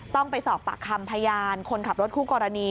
ต้องไปสอบปากคำพยานคนขับรถคู่กรณี